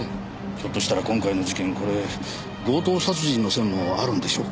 ひょっとしたら今回の事件これ強盗殺人の線もあるんでしょうか。